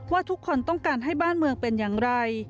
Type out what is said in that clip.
ว่าทุกคนต้องการให้บ้านเมืองเป็นอย่างไร